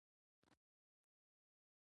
ځان وینی خوان نه ويني .